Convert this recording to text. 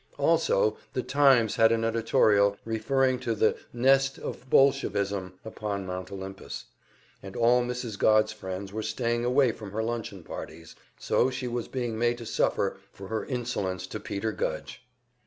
Also the "Times" had an editorial referring to the "nest of Bolshevism" upon Mount Olympus, and all Mrs. Godd's friends were staying away from her luncheon parties so she was being made to suffer for her insolence to Peter Gudge!